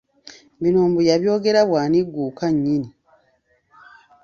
Bino mbu yabyogera bw'anigguuka nnyini.